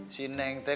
si neng teh